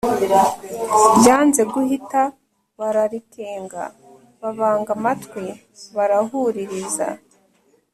Byanze guhita bararikenga: Babanga amatwi barahuririza,